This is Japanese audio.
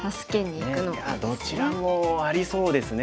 いやどちらもありそうですね